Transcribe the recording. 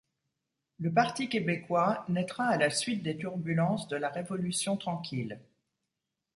Le Parti québécois naîtra à la suite des turbulences de la Révolution tranquille.